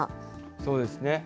そうですね。